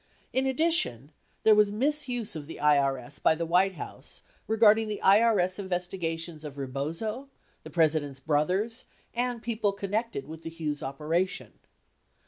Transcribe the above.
In addition, there was misuse of the IRS by the White House regarding the IRS investigations of Rebozo, the President's brothers, and people connected with the Hughes operation.